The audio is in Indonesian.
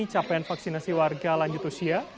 capaian vaksinasi warga lanjut usia